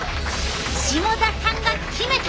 下田さんが決めた！